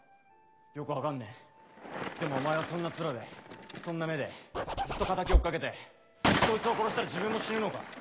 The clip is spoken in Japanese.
よく分かんねえでもお前はそんな面でそんな目でずっと敵追っかけてそいつを殺したら自分も死ぬのか？